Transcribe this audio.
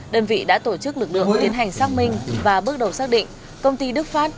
đơn vị đã tổ chức lực lượng tiến hành xác minh và bước đầu xác định công ty đức phát